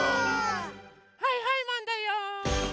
はいはいマンだよ！